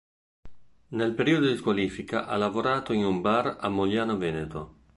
Nel periodo di squalifica ha lavorato in un bar a Mogliano Veneto.